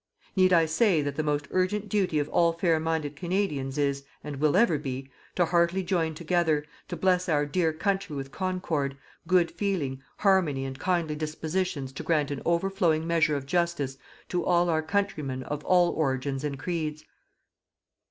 Need I say that the most urgent duty of all fair minded Canadians is, and will ever be, to heartily join together, to bless our dear country with concord, good feeling, harmony and kindly dispositions to grant an overflowing measure of justice to all our countrymen of all origins and creeds.